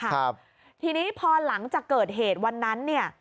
ครับทีนี้พอหลังจากเกิดเหตุวันนั้นเนี่ย